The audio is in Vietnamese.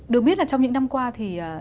được biết là trong những năm qua thì